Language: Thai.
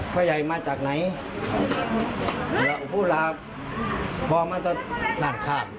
พ่อใหญ่มาจากไหนพ่อมาจากด้านข้าม